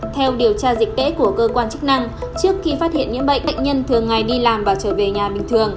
theo điều tra dịch tễ của cơ quan chức năng trước khi phát hiện những bệnh nhân thường ngày đi làm và trở về nhà bình thường